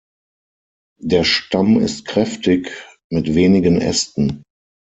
Der Stamm ist kräftig mit wenigen Ästen.